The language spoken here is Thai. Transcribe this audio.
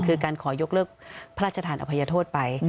คือการขอยกเลิกพระราชทานอภัยโทษไป